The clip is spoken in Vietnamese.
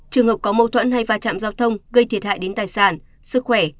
trường hợp có mâu thuẫn hay va chạm giao thông gây thiệt hại đến tài sản sức khỏe